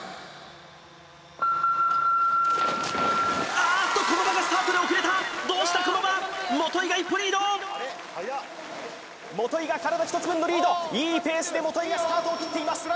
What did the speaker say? あーっと駒場がスタート出遅れたどうした駒場基が一歩リード基が体一つ分のリードいいペースで基がスタートを切っています